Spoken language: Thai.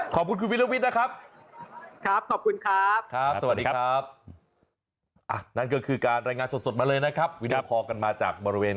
ขอบคุณคุณวิลวิทย์นะครับ